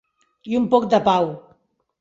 I un poc de pau.